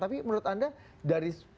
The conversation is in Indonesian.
tapi menurut anda dari